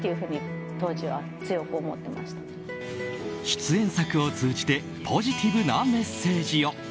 出演作を通じてポジティブなメッセージを。